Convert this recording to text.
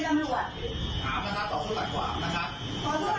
ต่อผู้จัดรายขวามแหละ